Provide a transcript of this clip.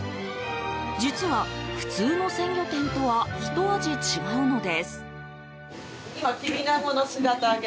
実は、普通の鮮魚店とはひと味違うのです。